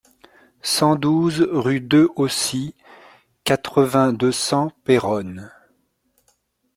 cent douze rue Dehaussy, quatre-vingts, deux cents, Péronne